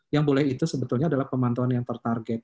yang boleh itu sebetulnya adalah pemantauan yang tertarget